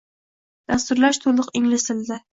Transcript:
Dasturlash to’liq ingliz tilida